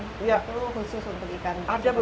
itu khusus untuk ikan